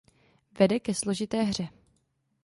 Vede ke složité hře.